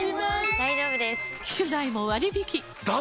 大丈夫です！